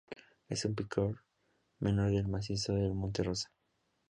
Es un pico menor del macizo del Monte Rosa.